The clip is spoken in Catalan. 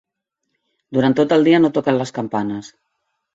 Durant tot el dia no toquen les campanes.